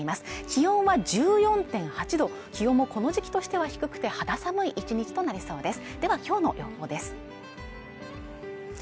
気温は１４．８度気温もこの時期としては低くて肌寒い１日となりそうです